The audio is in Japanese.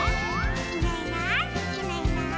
「いないいないいないいない」